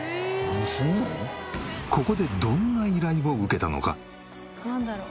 ここでどんな依頼を受けたのか？